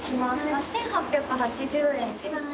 ８，８８０円です。